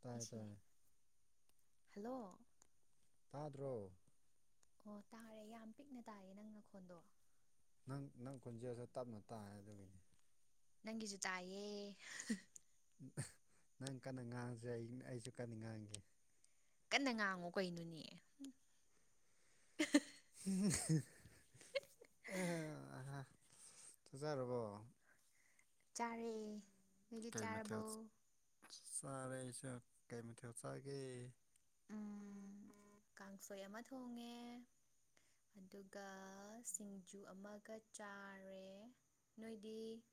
ꯇꯥꯏ ꯇꯥꯏ ꯍꯜꯂꯣ ꯇꯥꯗ꯭ꯔꯣ ꯑꯣ ꯇꯥꯔꯦ ꯌꯥꯝ ꯄꯤꯛꯅ ꯇꯥꯏꯌꯦ ꯅꯪ ꯅꯈꯣꯟꯗꯣ ꯅꯪ ꯅꯪ ꯀꯣꯟꯖꯦꯜꯁꯦ ꯇꯞꯅ ꯇꯥꯏ ꯑꯗꯨꯒꯤꯅꯤ ꯅꯪꯒꯤꯖꯨ ꯇꯥꯏꯌꯦ ꯍꯍ ꯑꯍ ꯅꯪ ꯀꯟꯅ ꯉꯥꯡꯖꯦ ꯑꯩ ꯑꯩꯖꯨ ꯀꯟꯅ ꯉꯥꯡꯒꯦ ꯀꯟꯅ ꯉꯥꯡꯉꯨ ꯀꯩꯅꯣꯅꯦ ꯍ ꯎꯝ ꯍꯦ ꯑꯦ ꯑꯥ ꯊꯖꯥꯔꯕꯣ ꯆꯥꯔꯦ ꯅꯣꯏꯗꯤ ꯀꯩ ꯆꯥꯔꯕꯣ ꯃꯊꯦꯜ ꯆꯥꯔꯦ ꯑꯩꯁꯨ ꯀꯩ ꯃꯊꯦꯜ ꯆꯥꯒꯦ ꯎꯝ [inaudible] ꯀꯥꯡꯁꯣꯏ ꯑꯃ ꯊꯣꯡꯉꯦ ꯑꯗꯨꯒ ꯁꯤꯡꯖꯨ ꯑꯃꯒ ꯆꯥꯔꯦ ꯅꯣꯏꯗꯤ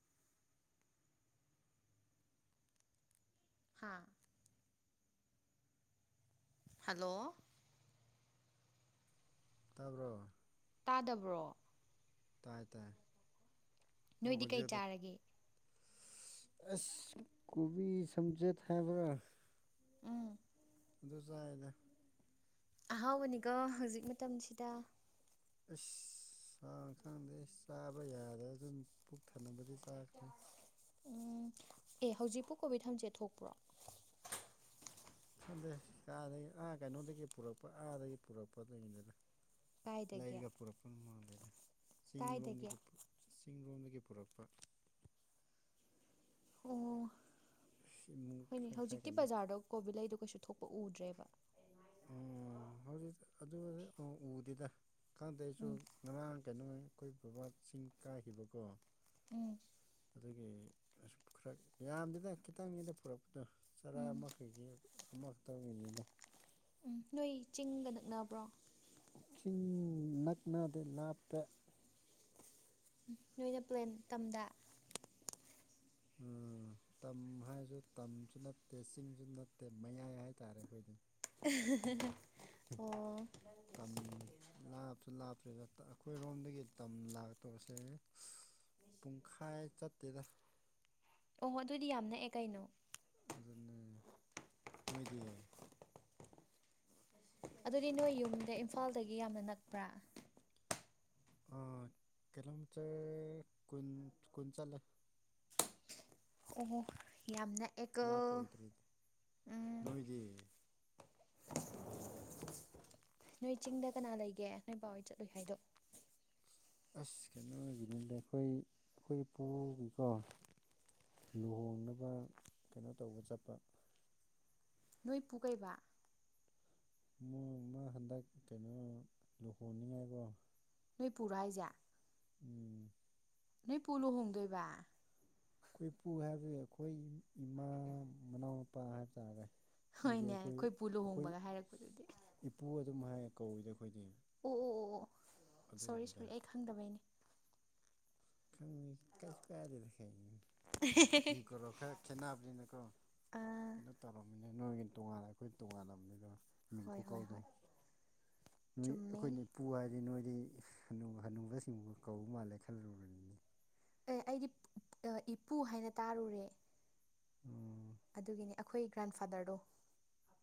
ꯍꯥꯥ ꯍꯜꯂꯣ ꯇꯥꯕ꯭ꯔꯣ ꯇꯥꯗꯕ꯭ꯔꯣ ꯇꯥꯏ ꯇꯥꯏ ꯅꯣꯏꯗꯤ ꯀꯩ ꯈꯣꯟꯖꯦꯜꯗꯣ ꯆꯥꯔꯒꯦ ꯑꯁ ꯀꯣꯕꯤ ꯁꯝꯖꯦꯊ ꯍꯥꯏꯕ꯭ꯔꯥ ꯎꯝ ꯑꯗꯨ ꯆꯥꯏꯗ ꯑꯍꯥꯎꯕꯅꯤꯀꯣ ꯍꯧꯖꯤꯛ ꯃꯇꯝꯁꯤꯗ ꯑꯩꯁ ꯆꯥ ꯁꯪꯗꯦ ꯆꯥꯕ ꯌꯥꯗꯕ ꯑꯗꯨꯝ ꯄꯨꯛ ꯊꯟꯅꯕꯒꯤ ꯆꯥ ꯎꯝ ꯑꯦ ꯍꯧꯖꯤꯛꯄꯨ ꯀꯣꯕꯤ ꯊꯝꯆꯦꯠ ꯊꯣꯛꯄ꯭ꯔꯣ ꯈꯪꯗꯦ ꯀꯥꯏꯗꯒꯤ ꯑꯥ ꯀꯩꯅꯣꯗꯒꯤ ꯄꯨꯔꯛꯄ ꯑꯥꯗꯒꯤ ꯄꯨꯔꯛꯄ ꯑꯗꯨꯒꯤꯅꯤꯗ ꯀꯥꯏꯗꯒꯤ ꯂꯩꯔꯒ ꯄꯨꯔꯛꯄ ꯃꯥꯜꯂꯦꯗꯦ ꯆꯤꯡ ꯀꯥꯏꯗꯒꯤ ꯂꯣꯝꯗꯒꯤ ꯄꯨ ꯆꯤꯡ ꯂꯣꯝꯗꯒꯤ ꯄꯨꯔꯛꯄ ꯑꯣ ꯁꯤꯃꯨ ꯐꯥꯏ ꯐꯥꯏ ꯀꯩꯅꯣꯆꯦ ꯀꯣꯕꯤ ꯂꯩꯗꯨꯣ ꯀꯩꯁꯨ ꯊꯣꯛꯄ ꯎꯗ꯭ꯔꯦꯕ ꯎꯝ ꯍꯧꯖꯤꯛꯇꯤ ꯑꯗꯨꯗꯤ ꯎꯗꯦꯗ ꯈꯪꯗꯦ ꯑꯩꯁꯨ ꯎꯝ ꯉꯔꯥꯡ ꯀꯩꯅꯣ ꯑꯩꯈꯣꯏ ꯕꯕꯥ ꯆꯤꯡ ꯀꯥꯈꯤꯕꯀꯣ ꯎꯝ ꯑꯗꯨꯒꯤ ꯑꯁ ꯈꯔ ꯌꯥꯝꯗꯦꯗ ꯈꯤꯇꯪꯅꯤꯗ ꯄꯨꯔꯛ ꯑꯗꯣ ꯆꯔꯥ ꯎꯝ ꯑꯃꯈꯛꯀꯤ ꯑꯃꯛꯇꯪꯒꯤꯅꯤꯗ ꯎꯝ ꯅꯣꯏ ꯆꯤꯡꯒ ꯅꯛꯅꯕ꯭ꯔꯣ ꯆꯤꯡ ꯅꯛꯅꯗꯦ ꯂꯥꯞꯄꯦ ꯅꯣꯏꯅ ꯄ꯭ꯂꯦꯟ ꯇꯝꯗ ꯎꯝ ꯇꯝ ꯍꯥꯏꯔꯁꯨ ꯇꯝꯁꯨ ꯅꯠꯇꯦ ꯆꯤꯡꯁꯨ ꯅꯠꯇꯦ ꯃꯌꯥꯏ ꯍꯥꯏꯇꯥꯔꯦ ꯑꯩꯈꯣꯏꯗꯤ ꯑꯣ ꯇꯝ ꯂꯥꯞꯁꯨ ꯂꯥꯞꯇ꯭ꯔꯤꯗ ꯑꯩꯈꯣꯏꯔꯣꯝꯗꯒꯤ ꯇꯝ ꯂꯥꯛꯇꯣꯁꯦ ꯄꯨꯡꯈꯥꯏ ꯆꯠꯇꯦꯗ ꯑꯣꯍꯣ ꯑꯗꯨꯗꯤ ꯌꯥꯝ ꯅꯛꯑꯦ ꯀꯩꯅꯣ ꯑꯗꯨꯅꯦ ꯅꯣꯏꯗꯤ ꯑꯗꯨꯗꯤ ꯅꯣꯏ ꯌꯨꯝꯗꯩ ꯏꯝꯐꯥꯜꯗꯒꯤ ꯌꯥꯝꯅ ꯅꯛꯄ꯭ꯔꯥ ꯍꯣꯏ ꯀꯤꯂꯣꯃꯤꯇꯔ ꯀꯨꯟ ꯀꯨꯟ ꯆꯠꯂꯦ ꯑꯣ ꯍꯣ ꯌꯥꯝ ꯅꯦ ꯂꯥꯞꯄ ꯑꯣꯏꯗ꯭ꯔꯦꯗꯤ ꯅꯣꯏꯗꯤ ꯂꯧꯁꯤꯟꯕ ꯉꯝꯗꯕ ꯅꯣꯏ ꯆꯤꯡꯗ ꯀꯅꯥ ꯂꯩꯒꯦ ꯅꯣꯏ ꯄꯥꯎꯩ ꯆꯠꯂꯨꯏ ꯍꯥꯏꯗꯣ ꯑꯁ ꯀꯩꯅꯣ ꯑꯣꯏꯈꯤꯕꯅꯤꯗ ꯑꯩꯈꯣꯏ ꯑꯩꯈꯣꯏ ꯏꯄꯨꯒꯤꯀꯣ ꯂꯨꯍꯣꯡꯅꯕ ꯀꯩꯅꯣ ꯇꯧꯕ ꯆꯠꯄ ꯅꯣꯏ ꯄꯨꯒꯩꯕ ꯃꯥ ꯍꯟꯗꯛ ꯀꯩꯅꯣ ꯂꯨꯍꯣꯡꯅꯤꯡꯉꯥꯏꯀꯣ ꯅꯣꯏ ꯄꯨꯔ ꯍꯥꯏꯁꯦ ꯎꯝ ꯅ ꯄꯣꯂꯣ ꯍꯣꯡꯗꯣꯏꯕ ꯑꯩꯈꯣꯏ ꯏꯄꯨ ꯍꯥꯏꯕꯗꯤ ꯑꯩꯈꯣꯏ ꯏꯃꯥ ꯃꯅꯥꯎ ꯃꯄꯥ ꯍꯥꯏꯕꯇꯥꯥꯔꯦ ꯍꯣꯏꯅꯦ ꯑꯩꯈꯣꯏ ꯄꯨ ꯂꯨꯍꯣꯡꯕꯒ ꯍꯥꯏꯔꯛꯄꯗꯨꯗꯤ ꯏꯄꯨ ꯑꯗꯨꯝ ꯍꯥꯏ ꯀꯧꯏꯗꯤ ꯑꯩꯈꯣꯏꯗꯤ ꯑꯣ ꯑꯣ ꯑꯣ ꯑꯣ ꯁꯣꯔꯤ ꯁꯣꯔꯤ ꯑꯗꯨꯒꯤꯅꯤꯗ ꯑꯩ ꯈꯪꯗꯕꯩꯅꯦ ꯈꯪ ꯀꯁꯤꯕꯨ ꯑꯗꯔꯈ ꯃꯤ ꯀꯣꯔꯣ ꯈ ꯈꯦꯅꯅꯤꯅꯀꯣ ꯑꯥ ꯇꯧꯔꯝꯃꯤꯅꯦ ꯅꯣꯏꯒꯤ ꯇꯣꯉꯥꯟꯅ ꯑꯩꯈꯣꯏ ꯇꯣꯉꯥꯟꯥꯟꯕꯅꯤꯗꯣ ꯍꯣꯏ ꯍꯣꯏ ꯃꯦꯡꯀꯣꯀꯥꯎꯗ ꯍꯣꯏ ꯅꯣꯏ ꯆꯨꯝꯃꯦ ꯑꯩꯈꯣꯏꯅ ꯎ ꯄꯨꯨ ꯍꯥꯏꯔꯗꯤ ꯅꯣꯏꯗꯤ ꯍꯅꯨꯕ ꯁꯤꯡꯕꯨ ꯀꯧꯕꯧ ꯃꯥꯜꯂꯦꯈꯠꯂꯨꯨꯔꯅꯤ ꯑꯦ ꯑꯩꯗꯤ ꯏꯄꯨ ꯍꯥꯏꯅ ꯇꯥꯔꯨꯔꯦ ꯎꯝ ꯑꯗꯨꯒꯤꯅꯤ ꯑꯩꯈꯣꯏ ꯒ꯭ꯔꯥꯟꯐꯥꯗꯔꯗꯣ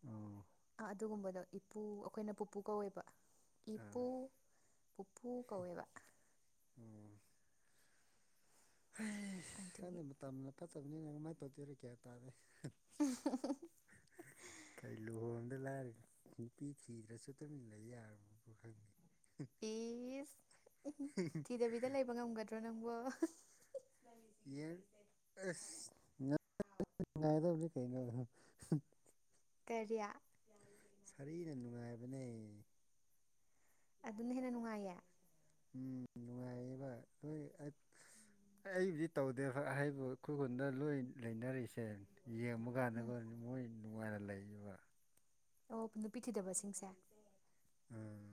ꯑꯣ ꯑꯥ ꯑꯗꯨꯒꯨꯝꯕꯗꯣ ꯏꯄꯨ ꯑꯩꯈꯣꯏꯅ ꯄꯨꯄꯨ ꯀꯧꯋꯦꯕ ꯑꯥ ꯏꯄꯨ ꯄꯨꯄꯨ ꯀꯧꯋꯦꯕ ꯎꯝ ꯁꯪꯗ ꯑꯗꯨꯒꯤ ꯃꯇꯝꯅ ꯐꯠꯇꯕꯅꯤꯅ ꯀꯃꯥꯏꯅ ꯇꯧꯗꯣꯏꯔꯀꯦ ꯍꯥꯏꯕꯇꯥꯔꯦ ꯎ ꯎꯝ ꯀꯩ ꯂꯨꯍꯣꯡꯗ ꯂꯥꯏꯔꯒ ꯅꯨꯄꯤ ꯊꯤꯗ꯭ꯔꯁꯨ ꯇꯝꯃꯤ ꯏꯟꯅ ꯂꯩ ꯌꯥꯕ ꯈꯪꯗꯦ ꯄꯤꯁ ꯎ ꯊꯤꯗꯕꯤꯗ ꯂꯩꯕ ꯉꯝꯒꯗ꯭ꯔꯣ ꯅꯪꯕꯣ ꯌꯦꯗꯤ ꯀꯩꯅ ꯀꯔꯤꯌꯥ ꯁꯔꯤꯅ ꯅꯨꯡꯉꯥꯏꯕꯅꯦ ꯑꯗꯨꯅ ꯍꯦꯟꯅ ꯅꯨꯡꯉꯥꯏꯌꯦ ꯎꯝ ꯅꯨꯡꯉꯥꯏꯌꯦꯕ [unintelligible] [unintelligible] ꯑꯩꯕꯨꯗꯤ ꯇꯧꯗꯦ ꯑꯍꯩꯕ ꯑꯩꯈꯣꯏ ꯈꯨꯟꯗ ꯂꯣꯏ ꯂꯩꯅꯔꯤꯁꯦ ꯌꯦꯡꯕ ꯎꯝ ꯀꯥꯟꯗꯀꯣ ꯃꯣꯏ ꯅꯨꯡꯉꯥꯏꯅ ꯂꯩꯌꯦꯕ ꯑꯣ ꯅꯨꯄꯤ ꯊꯤꯗꯕꯁꯤꯡꯁꯦ ꯎꯝ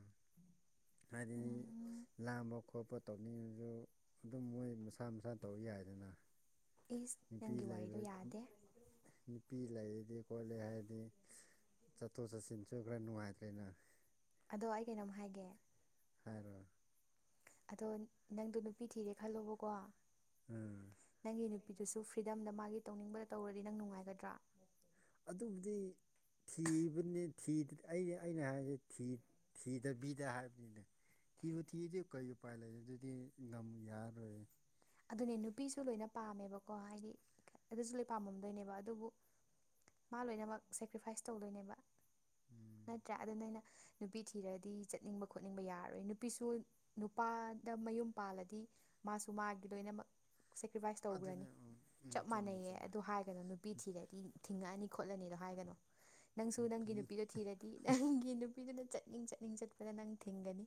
ꯍꯥꯏꯗꯤ ꯎꯝ ꯂꯥꯡꯕ ꯈꯣꯠꯄ ꯇꯧꯅꯤꯡꯉꯁꯨ ꯑꯗꯨꯝ ꯃꯣꯏ ꯃꯁꯥ ꯃꯁꯥꯅ ꯇꯧ ꯌꯥꯏꯗꯅ ꯏꯁ ꯅꯨꯄꯤ ꯅꯪꯒꯤ ꯋꯥꯔꯤꯗꯣ ꯂꯩꯕ ꯌꯥꯗꯦ ꯅꯨꯄꯤ ꯂꯩꯔꯗꯤ ꯈꯣꯠꯂꯦ ꯍꯥꯏꯗꯤ ꯆꯠꯊꯣꯛ ꯆꯠꯁꯤꯟꯁꯨ ꯈꯔ ꯅꯨꯡꯉꯥꯏꯇ꯭ꯔꯦꯅ ꯑꯗꯣ ꯑꯩ ꯀꯩꯅꯣꯝ ꯍꯥꯏꯒꯦ ꯍꯥꯏꯔꯣ ꯑꯗꯣ ꯅꯪꯗꯣ ꯅꯨꯄꯤ ꯊꯤꯔꯦ ꯈꯜꯂꯣꯕꯀꯣ ꯎꯝ ꯅꯪꯒꯤ ꯅꯨꯄꯤꯗꯨꯁꯨ ꯐ꯭ꯔꯤꯗꯝꯗ ꯃꯥꯒꯤ ꯇꯧꯅꯤꯡꯕꯗ ꯇꯧꯔꯗꯤ ꯅꯪ ꯅꯨꯡꯉꯥꯏꯒꯗ꯭ꯔꯥ ꯑꯗꯨꯕꯨꯗꯤ ꯊꯤꯕ ꯑꯩꯅ ꯑꯩꯅ ꯍꯥꯏꯁꯦ ꯊꯤꯗꯕꯤꯗ ꯍꯥꯏꯕꯅꯤꯅ ꯀꯤꯕꯨ ꯊꯤꯗꯤꯦ ꯀꯩꯣ ꯄꯥꯏ ꯂꯩ ꯑꯗꯨꯗꯤꯗꯥꯝ ꯌꯥꯔ ꯔꯑꯦ ꯑꯗꯨꯅꯦ ꯅꯨꯄꯤꯁꯨ ꯂꯣꯏꯅ ꯄꯥꯝꯃꯦꯕꯀꯣ ꯍꯥꯏꯗꯤ ꯑꯗꯨꯁꯨ ꯂꯣꯏ ꯄꯥꯝꯃꯝꯗꯣꯏꯅꯦꯕ ꯑꯗꯨꯕꯨ ꯃꯥ ꯂꯣꯏꯅꯃꯛ ꯁꯦꯀ꯭ꯔꯤꯐꯥꯏꯁ ꯇꯧꯗꯣꯏꯅꯦꯕ ꯎꯝ ꯅꯠꯇ꯭ꯔꯥ ꯑꯗꯨ ꯅ ꯑꯩꯅ ꯅꯨꯄꯤ ꯊꯤꯔꯗꯤ ꯆꯠꯅꯤꯡꯕ ꯈꯣꯠꯅꯤꯡꯕ ꯌꯥꯔꯔꯣꯏ ꯅꯨꯄꯤꯁꯨ ꯅꯨꯄꯥꯗ ꯃꯌꯨꯝ ꯄꯥꯜꯂꯗꯤ ꯃꯥꯁꯨ ꯃꯥꯒꯤ ꯂꯣꯏꯅꯃꯛ ꯁꯦꯀ꯭ꯔꯤꯐꯥꯏꯁ ꯇꯧꯈ꯭ꯔꯅꯤ ꯑꯗꯨꯅꯦ ꯎꯝ ꯎꯝ ꯆꯞ ꯆꯨꯝꯃꯦ ꯃꯥꯟꯅꯩꯌꯦ ꯆꯨꯝꯃꯦ ꯑꯗꯨ ꯀꯩꯅꯣ ꯅꯨꯄꯤ ꯊꯤꯔꯗꯤ ꯊꯤꯡꯉꯛꯑꯅꯤ ꯈꯣꯠꯂꯅꯤꯗꯣ ꯍꯥꯏꯒꯅꯣ ꯅꯪꯁꯨ ꯅꯨꯄꯤ ꯅꯪꯒꯤ ꯅꯨꯄꯤꯗꯣ ꯊꯤꯔꯗꯤ ꯗꯤ ꯅꯪꯒꯤ ꯅꯨꯄꯤꯗꯨꯅ ꯆꯠꯅꯤꯡ ꯆꯠꯅꯤꯡ ꯆꯠꯄꯗ ꯅꯪ ꯊꯤꯡꯒꯅꯤ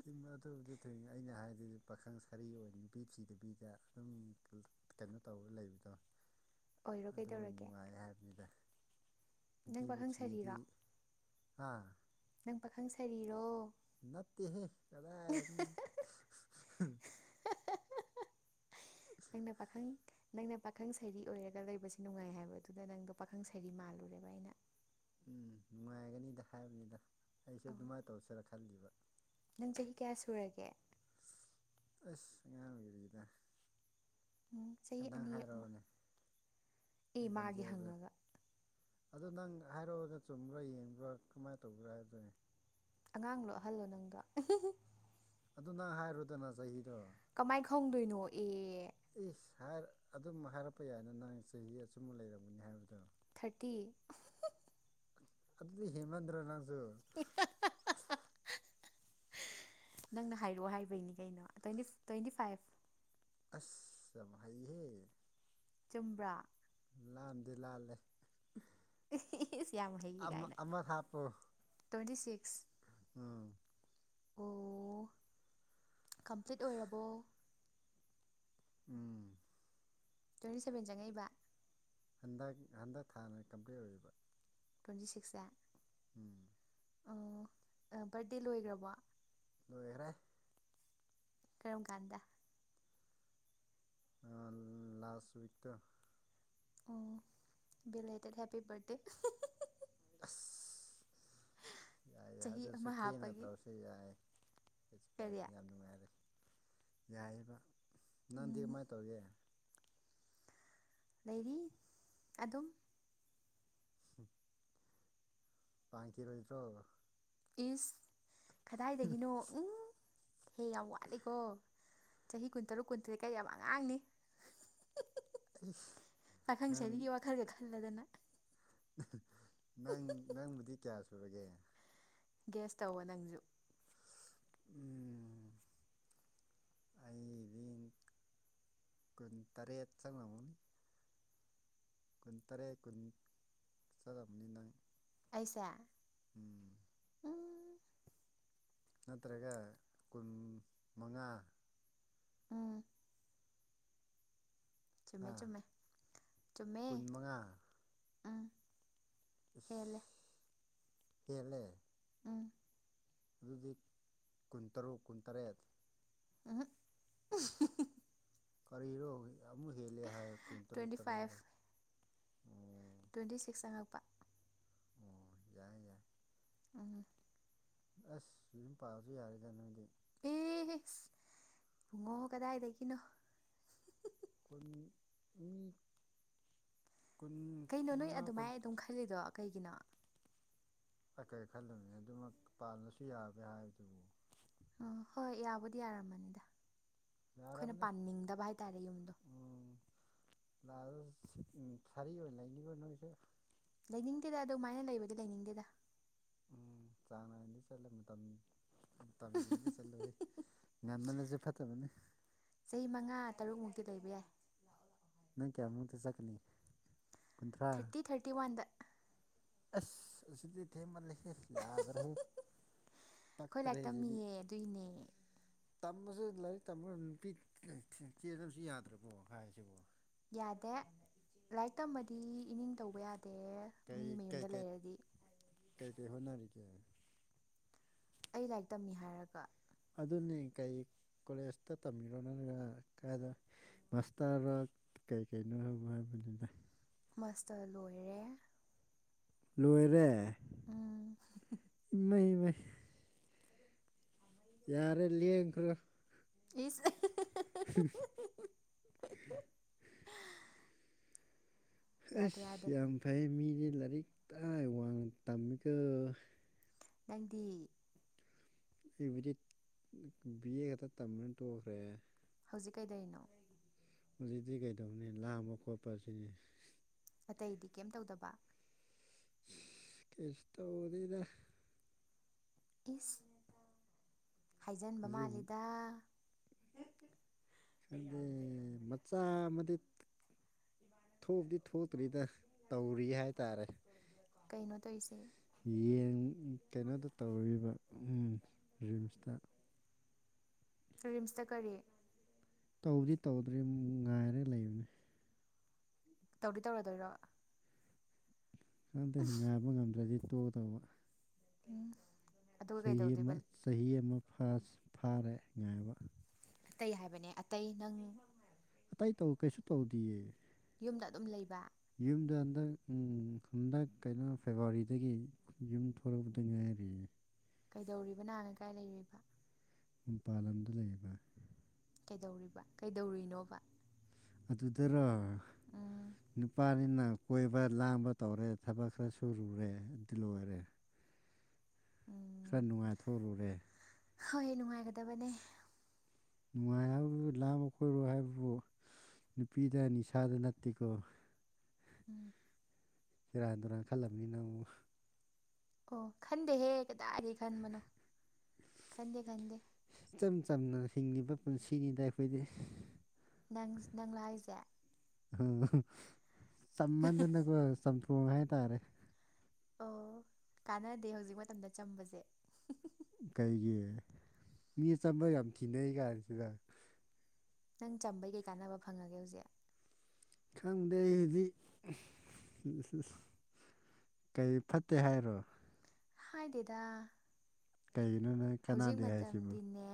ꯊꯤꯡꯕ ꯑꯗꯨꯕꯨꯗꯤ ꯊꯤꯡꯑꯦ ꯑꯩꯅ ꯍꯥꯏꯗꯤ ꯄꯥꯈꯪ ꯁꯔꯤ ꯑꯣꯏ ꯅꯨꯄꯤ ꯊꯤꯗꯕꯤꯗ ꯑꯗꯨꯝ ꯀꯩꯅꯣ ꯇꯧꯔ ꯂꯩꯕꯗꯣ ꯑꯣꯏꯔꯣ ꯑꯗꯨ ꯀꯩꯗꯧꯔꯒꯦ ꯅꯨꯡꯉꯥꯏ ꯍꯥꯏꯕꯤꯅꯗ ꯅꯪ ꯅꯨꯄꯤꯕꯨ ꯄꯥꯈꯪ ꯊꯤꯔꯗꯤ ꯁꯥꯔꯤꯔꯣ ꯍꯥ ꯅꯪ ꯄꯥꯈꯪ ꯁꯥꯔꯤꯔꯣ ꯅꯠꯇꯦ ꯀꯗꯥꯏ [unintelligible] ꯑꯪꯅ ꯄꯥꯈꯪ ꯅꯪꯅ ꯄꯥꯈꯪ ꯁꯩꯔꯤ ꯑꯣꯏꯔꯒ ꯂꯩꯕꯁꯤ ꯅꯨꯡꯉꯥꯏ ꯍꯥꯏꯕ ꯑꯗꯨꯗ ꯅꯪꯗꯣ ꯄꯥꯈꯪ ꯁꯩꯔꯤ ꯃꯥꯜꯂꯨꯔꯦꯕ ꯑꯩꯅ ꯎꯝ ꯅꯨꯡꯉꯥꯏꯒꯅꯤꯗ ꯍꯥꯏꯕꯅꯤꯗ ꯑꯩꯁꯦ ꯑꯣ ꯑꯗꯨꯃꯥꯏꯅ ꯇꯧꯁꯦꯔ ꯈꯪ ꯅꯪ ꯆꯍꯤ ꯀꯌꯥ ꯁꯨꯔꯒꯦ ꯑꯁ ꯑꯉꯥꯡ ꯑꯣꯏꯔꯤꯗ ꯎꯝ ꯆꯍꯤ ꯅꯪ ꯑꯅꯤ ꯑꯃ ꯍꯥꯏꯔꯛꯑꯣꯅꯦ ꯑꯦ ꯑꯩ ꯃꯥꯒꯤ ꯈꯣꯟꯖꯦꯜꯗꯣ ꯍꯪꯉꯒ ꯑꯗꯣ ꯅꯪ ꯍꯥꯏꯔꯛꯑꯣ ꯆꯨꯝꯕ꯭ꯔꯥ ꯌꯦꯡꯕ꯭ꯔꯥ ꯀꯃꯥꯏꯅ ꯇꯧꯕ꯭ꯔꯥ ꯍꯥꯏꯕꯗꯨꯅꯤ ꯑꯉꯥꯡ ꯂꯣ ꯑꯍꯜꯂꯣ ꯅꯪꯗꯣ ꯑꯗꯨ ꯅꯪ ꯍꯥꯏꯔꯨꯗꯅ ꯆꯍꯤꯗꯣ ꯀꯃꯥꯏ ꯈꯪꯗꯣꯏꯅꯣ ꯑꯦ ꯏꯁ ꯑꯗꯨꯝ ꯍꯥꯏꯔꯛꯄ ꯌꯥꯏꯅ ꯅꯪ ꯆꯍꯤ ꯑꯆꯨꯝꯕ ꯂꯩꯔꯝꯒꯅꯤ ꯍꯥꯏꯕꯗꯣ ꯊꯥꯔꯇꯤ ꯑꯗꯨꯗꯤ ꯍꯦꯠꯃꯟꯗ꯭ꯔ ꯅꯪꯁꯨ [unintelligible] [unintelligible] ꯅꯪꯅ ꯍꯥꯏꯔꯛꯑꯣ ꯍꯥꯏꯕꯩꯅꯤ ꯀꯩꯅꯣ ꯇ꯭ꯋꯦꯟꯇꯤ ꯇ꯭ꯋꯦꯟꯇꯤ ꯐꯥꯏꯚ ꯑꯁ ꯌꯥꯝ ꯍꯩꯍꯦ ꯆꯨꯝꯕ꯭ꯔꯥ ꯂꯥꯟꯗꯤ ꯂꯥꯜꯂꯦ [unintelligible] ꯏꯁ ꯌꯥꯝ ꯍꯩꯒ ꯑꯃ ꯀꯥꯏꯅ ꯑꯃ ꯍꯥꯞꯄꯣ ꯇ꯭ꯋꯦꯟꯇꯤ ꯁꯤꯛꯁ ꯎꯝ ꯑꯣ ꯀꯝꯄ꯭ꯂꯤꯠ ꯑꯣꯏꯔꯕꯣ ꯎꯝ ꯇ꯭ꯋꯦꯟꯇꯤ ꯁꯕꯦꯟ ꯆꯪꯛꯏꯕ ꯍꯟꯗꯛ ꯍꯟꯗꯛ ꯊꯥꯅ ꯀꯝꯄ꯭ꯂꯤꯠ ꯑꯣꯏꯔꯤꯕ ꯇꯣꯏꯟꯇꯤ ꯁꯤꯛꯁꯦ ꯎꯝ ꯑꯣ ꯕꯔꯗꯦ ꯂꯣꯏꯈ꯭ꯔꯕꯣ ꯂꯣꯏꯈ꯭ꯔꯦ ꯀꯔꯝ ꯀꯥꯟꯗ ꯑꯥ ꯂꯥꯁ ꯋꯤꯛꯇ ꯑꯣ ꯕꯤ ꯂꯦꯇꯦꯠ ꯍꯦꯄꯤ ꯕꯔꯊꯗꯦ [inaudible] ꯌꯥꯏ ꯆꯍꯤ ꯑꯃ ꯍꯥꯞꯄꯒꯤ ꯀꯩꯁꯨꯀꯥꯏꯗꯦ ꯀꯔꯤ ꯌꯥꯝ ꯅꯨꯡꯉꯥꯏꯔꯦ ꯌꯥꯏꯕ ꯅꯪꯗꯤ ꯎꯝ ꯀꯃꯥꯥꯏ ꯇꯧꯔꯤꯒꯦ ꯂꯩꯔꯤ ꯑꯗꯨꯝ ꯎꯝ ꯄꯥꯟꯈꯤꯔꯣꯏ ꯗꯔꯣ ꯏꯁ ꯀꯗꯥꯏꯗꯒꯤꯅꯣ ꯎꯝ ꯍꯦ ꯌꯥꯝ ꯋꯥꯠꯂꯤꯀꯣ ꯆꯍꯤ ꯀꯨꯟꯇꯔꯨꯛ ꯀꯨꯟꯇꯔꯦꯠ ꯀꯥꯏ ꯌꯥꯝ ꯑꯉꯥꯡꯅꯤ [inaudible] ꯄꯥꯈꯪ ꯅꯪ ꯁꯔꯤꯒꯤ ꯋꯥꯈꯔꯒꯥ ꯈꯜꯂꯗꯅ ꯅꯪ ꯅꯪꯕꯨꯗꯤ ꯀꯌꯥ ꯁꯨꯨꯔꯒꯦ ꯒꯦꯁ ꯇꯧꯋꯣ ꯅꯪꯁꯨ ꯎꯝ ꯑꯩ [inaudible] ꯀꯨꯟ ꯇꯔꯦꯠ ꯀꯨꯟ ꯆꯡꯂꯝꯃꯅꯤꯅꯪ ꯑꯩꯁꯦ ꯎꯝ ꯅꯠꯇ꯭ꯔꯒ ꯀꯨꯟ ꯃꯉꯥ ꯎꯝ ꯍꯥ ꯆꯃꯦ ꯆꯨꯝꯃꯦ ꯆꯨꯝꯃꯦ ꯀꯨꯟ ꯃꯉꯥ ꯎꯝ ꯏꯁ ꯍꯦꯜꯂꯦ ꯍꯦꯜꯂꯦ ꯎꯝ ꯑꯗꯨꯗꯤ ꯀꯨꯟꯇꯔꯨꯛ ꯀꯨꯟꯇꯔꯦꯠ [unintelligible] ꯀꯔꯤꯔꯣ ꯑꯃꯨꯛ ꯍꯦꯜꯂꯦ ꯍꯥꯏ ꯀꯨꯟ ꯇꯔꯨꯛ ꯇ꯭ꯋꯦꯟꯇꯤ ꯇꯔꯦꯠꯔꯥ ꯇ꯭ꯋꯦꯟꯇꯤꯁꯤꯛꯁ ꯆꯪꯉꯛꯄ ꯑꯣ ꯌꯥꯏ ꯌꯥꯏ ꯎꯝ ꯑꯥꯁ ꯌꯨꯝ ꯄꯥꯜꯂꯁꯨ ꯌꯥꯔꯦꯗ ꯅꯪꯗꯤ ꯏꯁ ꯕꯨꯡꯉꯣ ꯀꯗꯥꯏꯗꯒꯤꯅꯣ ꯈꯨꯟ ꯃꯤ ꯀꯨꯟ ꯀꯩꯅꯣ ꯅꯣꯏ ꯀꯨꯟꯃꯉꯥ ꯑꯗꯨꯃꯥꯏ ꯀꯨꯟ ꯑꯗꯨꯝ ꯈꯜꯂꯤꯗꯣ ꯀꯩꯒꯤꯅꯣ ꯑꯩ ꯀꯔꯤ ꯈꯜꯂꯕꯅꯦ ꯑꯗꯨꯃꯛ ꯄꯥꯜꯂꯁꯨ ꯌꯥꯒꯦ ꯍꯥꯏꯕꯗꯨꯕꯨ ꯑꯥ ꯍꯣꯏ ꯌꯥꯕꯨꯗꯤ ꯌꯥꯔꯝꯃꯅꯤꯗ ꯑꯩꯈꯣꯏꯅ ꯌꯥꯔꯕꯅꯦ ꯄꯥꯅꯤꯡꯗꯕ ꯍꯥꯏꯇꯥꯔꯦ ꯌꯨꯝꯗꯣ [inaudible] ꯂꯩꯅꯤꯡꯇꯦꯗ ꯑꯗꯨꯃꯥꯏꯅ ꯂꯩꯕꯗꯤ ꯂꯩꯅꯤꯡꯗꯦꯗ ꯎꯝ ꯆꯥꯡ ꯅꯥꯏꯅꯗꯤ ꯆꯠꯂꯦ ꯃꯇꯝꯅꯤ ꯃꯇꯝ ꯋꯦꯡꯉꯒ ꯆꯠꯂꯨꯍꯦ ꯉꯥꯟꯃꯜꯂꯁꯨ ꯐꯠꯇꯕꯅꯦ ꯆꯍꯤ ꯃꯉꯥ ꯇꯔꯨꯛꯃꯨꯛꯇꯤ ꯂꯩꯕ ꯌꯥꯏ ꯅꯪ ꯀꯌꯥꯃꯨꯛꯇ ꯆꯠꯀꯅꯤ ꯀꯨꯟꯊ꯭ꯔꯥ ꯊꯥꯔꯇꯤ ꯊꯥꯔꯇꯤ ꯋꯥꯟꯗ ꯑꯁ ꯑꯁꯤꯗꯤ ꯊꯦꯡ ꯃꯥꯜ ꯂꯩꯍꯦ [unintelligible] ꯑꯩꯈꯣꯏ ꯂꯥꯏꯔꯤ ꯄꯛꯇ꯭ꯔꯦꯍꯦ ꯇꯝꯃꯤꯌꯦ ꯑꯗꯨꯏꯅꯦ ꯇꯝꯕꯁꯦ ꯂꯥꯏꯔꯤꯛ ꯇꯝꯕ ꯅꯨꯄꯤ ꯆꯦꯟꯕꯁꯨ ꯌꯥꯗ꯭ꯔꯕꯣ ꯍꯥꯏꯁꯤꯕꯣ ꯌꯥꯗꯦ ꯂꯥꯏꯔꯤꯛ ꯇꯃꯗꯤ ꯏꯅꯤꯡ ꯇꯧꯕ ꯌꯥꯗꯦ ꯀꯩ ꯃꯤ ꯃꯌꯨꯝꯗ ꯀꯩꯀꯩ ꯂꯩꯔꯗꯤ ꯀꯩꯀꯔꯤ ꯍꯣꯠꯅꯔꯤꯒꯦ ꯑꯩ ꯂꯥꯏꯔꯤꯛ ꯇꯝꯃꯤ ꯍꯥꯏꯔꯒ ꯑꯗꯨꯅꯦ ꯀꯩ ꯀꯣꯂꯦꯖꯇ ꯇꯝꯕꯤꯔꯣ ꯅꯠꯇ꯭ꯔꯒ ꯀꯗ ꯃꯥꯁꯇꯔ ꯀꯩꯀꯩꯅꯣ ꯍꯥꯏꯕ ꯍꯥꯏꯕꯗꯨꯗ ꯃꯥꯁꯇ ꯂꯣꯏꯔꯦ ꯂꯣꯏꯔꯦ ꯎꯝ ꯏ ꯃ ꯃ ꯌꯥꯔꯦ ꯂꯦꯡꯈ꯭ꯔꯣ ꯏꯁ [unintelligible] [unintelligible] ꯌꯥꯗꯦ ꯑꯁ ꯌꯥꯗꯦ ꯌꯥꯝ ꯐꯩ ꯃꯤꯗꯤ ꯂꯥꯏꯔꯤꯛ ꯇꯥꯏ ꯋꯥꯡꯅ ꯇꯝꯃꯤꯀꯣ ꯅꯪꯗꯤ ꯑꯩꯕꯨꯗꯤ ꯕꯤ ꯑꯦ ꯈꯛꯇ ꯇꯝꯃꯥ ꯇꯣꯛꯈ꯭ꯔꯦ ꯍꯧꯖꯤꯛ ꯀꯩꯗꯧꯏꯅꯣ ꯍꯧꯖꯤꯛꯇꯤ ꯀꯩꯗꯧꯅꯤ ꯂꯥꯡꯕ ꯈꯣꯠꯄꯁꯤꯅꯤ ꯑꯇꯩꯗꯤ ꯀꯩꯝ ꯇꯧꯗꯕ ꯀꯧꯁ ꯇꯩꯗꯦꯗꯥ ꯏꯁ ꯍꯥꯏꯖꯤꯟꯕ ꯍꯧꯖꯤꯛ ꯃꯥꯜꯂꯤꯗ ꯑꯩ ꯔꯗꯔꯦ ꯆꯥꯃꯗꯤ ꯊꯣꯛꯗꯤ ꯊꯣꯛꯇ꯭ꯔꯤꯗ ꯇꯧꯔꯤ ꯍꯥꯏꯇꯥꯔꯦ ꯀꯩꯅꯣ ꯇꯧꯁꯦ ꯌꯦꯟ ꯀꯩꯅꯣꯗ ꯇꯧꯔꯔꯤꯕ ꯔꯤꯝꯁꯇ ꯐꯤꯝꯁꯇ ꯀꯔꯤ ꯇꯧꯗꯤ ꯇꯧꯗ꯭ꯔꯦ ꯉꯥꯏꯔꯒ ꯂꯩꯕꯅꯤ ꯇꯧꯗꯤ ꯇꯧꯔꯗꯣꯏꯔꯣ ꯀꯝꯇ ꯍ ꯉꯕ ꯉꯝꯗ꯭ꯔꯗꯤ ꯇꯣꯛꯗꯧꯕ ꯎꯝ ꯑꯗꯨꯒ ꯆꯍꯤ ꯑꯃ ꯀꯩꯗꯧꯗꯣꯏꯕ ꯆꯍꯤ ꯑꯃ ꯐꯥꯔꯥꯁ ꯐꯥꯔꯦ ꯉꯥꯏꯕ ꯑꯇꯩ ꯍꯥꯏꯕꯅꯦ ꯑꯇꯩ ꯅꯪ ꯑꯇꯩ ꯇꯧ ꯀꯩꯁꯨ ꯇꯧꯗꯤꯌꯦ ꯌꯨꯝꯗ ꯑꯗꯨꯝ ꯂꯩꯕ ꯌꯨꯝꯗ ꯍꯟꯗꯛ ꯍꯟꯗꯛ ꯀꯩꯅꯣ ꯐꯦꯕꯋꯥꯔꯤꯗꯒꯤ ꯌꯨꯝ ꯊꯣꯛꯗ ꯉꯥꯏꯔꯤ ꯀꯩꯗꯧꯔꯤꯕ ꯅꯥꯥꯟꯉ ꯀꯥꯏ ꯂꯩꯔꯣꯏꯕ ꯃꯄꯥꯟ ꯂꯝꯗ ꯂꯩꯔꯤꯕ ꯀꯩꯗꯧꯔꯤꯕ ꯀꯩꯗꯧꯔꯤꯅꯣꯕ ꯑꯗꯨꯗꯔꯣ ꯎꯝ ꯅꯨꯄꯥꯅꯤꯅ ꯀꯣꯏꯕ ꯂꯥꯡꯕ ꯇꯧꯔꯦ ꯊꯕꯛ ꯈꯔ ꯁꯨꯔꯨꯔꯦ ꯑꯗꯨ ꯂꯣꯏꯔꯦ ꯎꯝ ꯈꯔ ꯅꯨꯡꯉꯥꯏꯊꯔꯨꯔꯦ ꯍꯣꯏ ꯅꯨꯡꯉꯥꯏꯒꯗꯕꯅꯦ ꯅꯨꯡꯉꯥꯏ ꯍꯥꯏꯕꯗꯨ ꯂꯥꯃ ꯈꯣꯏꯠꯔꯣ ꯍꯥꯏꯕꯕꯨ ꯅꯨꯄꯤꯗ ꯅꯤꯁꯥꯗ ꯅꯠꯇꯦꯀꯣ ꯎꯝ ꯁꯦꯔꯥꯟ ꯇꯨꯔꯥꯟ ꯈꯜꯂꯝꯅꯤ ꯅꯪ ꯑꯃꯨꯛ ꯑꯣ ꯈꯟꯗꯦ ꯍꯦ ꯀꯗꯥꯏꯗꯤ ꯈꯟꯕꯅꯣ ꯈꯟꯗꯦ ꯈꯟꯗꯦ ꯏꯆꯝ ꯆꯝꯅ ꯍꯤꯡꯂꯤꯕ ꯄꯨꯟꯁꯤꯅꯤꯗ ꯑꯩꯈꯣꯏꯗꯤ ꯅꯪ ꯅꯪ ꯂꯣ ꯍꯥꯏꯁꯦ ꯆꯝꯃꯟꯗꯅꯀꯣ ꯆꯝꯊꯣꯡ ꯍꯥꯏꯇꯥꯔꯦ ꯑꯣ ꯀꯥꯟꯅꯗꯦ ꯍꯧꯖꯤꯛ ꯃꯇꯝꯗ ꯆꯝꯕꯁꯦ ꯀꯩꯒꯤ ꯃꯤ ꯑꯆꯝꯕ ꯌꯥꯝ ꯊꯤꯅꯩ ꯀꯥꯟꯁꯤꯗ ꯅꯪ ꯆꯝꯕꯩ ꯀꯩ ꯀꯥꯟꯅꯕ ꯐꯪꯉꯒꯦ ꯍꯧꯖꯤꯛ ꯈꯪꯗꯦ ꯍꯧꯗꯤ ꯀꯩ ꯐꯠꯇꯦ ꯍꯥꯏꯔꯣ ꯍꯥꯏꯗꯦꯗ ꯀꯒꯤꯅꯣ ꯅ ꯍꯧꯖꯤꯛ ꯃꯇꯝꯗꯤꯅꯦ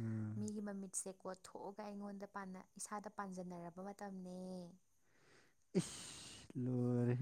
ꯑꯥ ꯃꯤꯒꯤ ꯃꯃꯤꯠ ꯁꯦ ꯀꯣꯠꯊꯑꯒ ꯑꯩꯉꯣꯟꯗ ꯏꯁꯥꯗ ꯄꯥꯟꯖꯟꯅꯔꯕ ꯃꯇꯝꯅꯦ ꯏꯁ ꯂꯣꯏꯔꯦꯍꯦ